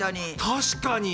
確かに。